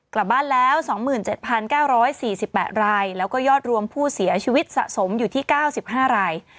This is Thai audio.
กลับบ้านแล้ว๒๗๙๔๘รายแล้วก็ยอดรวมผู้เสียชีวิตสะสมอยู่ที่๙๕ราย